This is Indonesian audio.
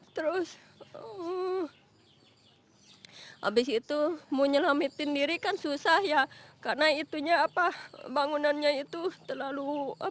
terus abis itu mau nyelamatin diri kan susah ya karena bangunannya itu terlalu